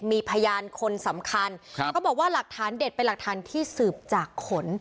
มีพยานคนสำคัญครับเขาบอกว่าหลักฐานเด็ดเป็นหลักฐานที่สืบจากขน